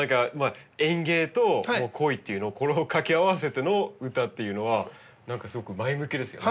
園芸と恋っていうのをこれを掛け合わせての歌っていうのは何かすごく前向きですよね。